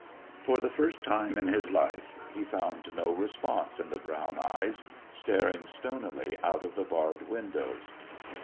For the first time in his life he found no response in the brown eyes, staring stonily out of the barred windows.